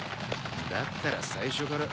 だったら最初から。